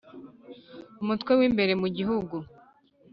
Umutwe w imbere mu gihugu